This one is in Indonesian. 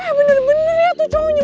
eh bener bener ya tuh cowoknya